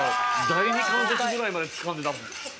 第二関節ぐらいまでつかんでたもん。